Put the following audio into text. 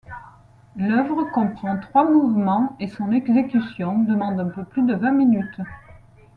L'œuvre comprend trois mouvements et son exécution demande un peu plus de vingt minutes.